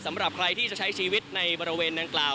สำหรับใครที่จะใช้ชีวิตในประเภทด้านเกลา